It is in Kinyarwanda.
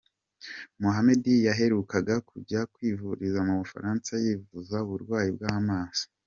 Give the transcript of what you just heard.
Muhammed yaherukaga kujya kwivuriza mu Bufaransa yivuza uburwayi bw’ amaso.